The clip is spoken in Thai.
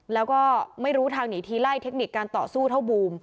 แล้วก็ไม่รู้ทางหนีทีไล่เทคนิคการต่อสู้เท่าบูม